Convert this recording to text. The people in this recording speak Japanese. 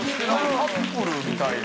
カップルみたいな。